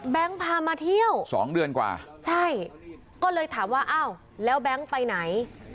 แบงก์พามาเที่ยว๒เดือนกว่าใช่ก็เลยถามว่าแล้วแบงก์ไปไหน